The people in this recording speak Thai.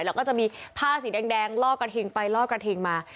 แล้วก็จะมีผ้าสีแดงล่อกระทิงไปล่อกระทิงมา